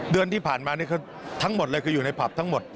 เดือนที่ผ่านมานี่คือทั้งหมดเลยคืออยู่ในผับทั้งหมด